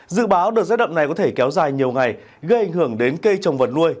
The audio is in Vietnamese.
dự báo đợt rét đậm này có thể kéo dài nhiều ngày gây ảnh hưởng đến cây trồng vật nuôi